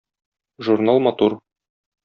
Журнал матур